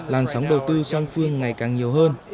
làn sóng đầu tư song phương ngày càng nhiều hơn